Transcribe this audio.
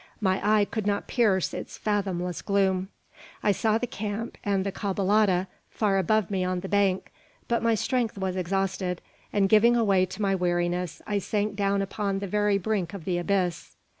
My eye could not pierce its fathomless gloom. I saw the camp and the caballada far above me on the bank; but my strength was exhausted, and, giving way to my weariness, I sank down upon the very brink of the abyss.